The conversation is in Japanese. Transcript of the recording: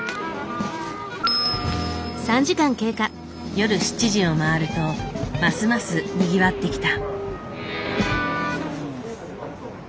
夜７時を回るとますますにぎわってきた。